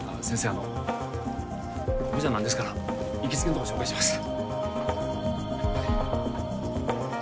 あのここじゃなんですから行きつけのとこ紹介します